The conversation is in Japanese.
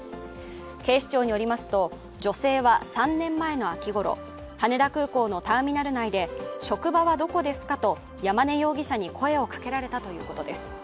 警視庁によりますと、女性は３年前の秋ごろ羽田空港のターミナル内で職場はどこですかと山根容疑者に声をかけられたということです。